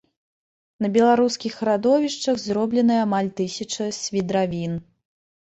На беларускіх радовішчах зробленая амаль тысяча свідравін.